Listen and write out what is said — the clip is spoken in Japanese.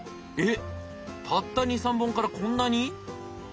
えったった２３本からこんなに？